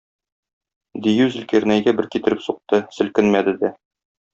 Дию Зөлкарнәйгә бер китереп сукты, селкенмәде дә.